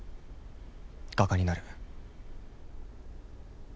画家になる